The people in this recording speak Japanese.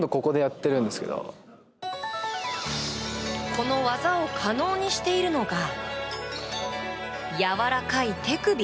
この技を可能にしているのがやわらかい手首。